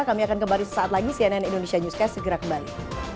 kami akan kembali sesaat lagi cnn indonesia newscast segera kembali